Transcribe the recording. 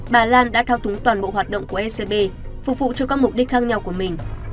bà lan đã thao túng toàn bộ hoạt động của ecb phục vụ cho các mục đích khác nhau của mình